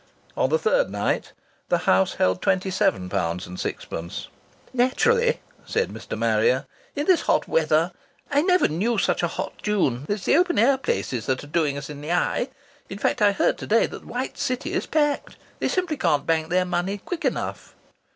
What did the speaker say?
On the third night the house held twenty seven pounds and sixpence. "Naturally," said Mr. Marrier, "in this hot weathah! I never knew such a hot June! It's the open air places that are doing us in the eye. In fact I heard to day that the White City is packed. They simply can't bank their money quick enough."